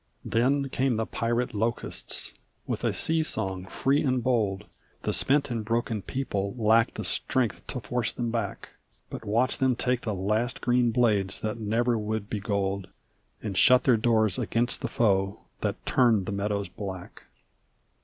Then came the pirate locusts, with a sea song free and bold; The spent and broken people lacked the strength to force them back, But watched them take the last green blades that never would be gold And shut their doors against the foe that turned the meadows black.